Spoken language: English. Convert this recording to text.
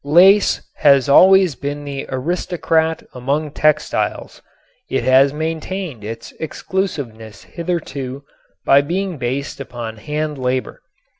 Lace has always been the aristocrat among textiles. It has maintained its exclusiveness hitherto by being based upon hand labor.